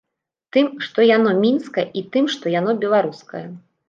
Тым, што яно мінскае, і тым, што яно беларускае.